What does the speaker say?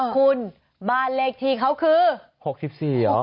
คุณบ้านเลขที่เขาคือ๖๔เหรอ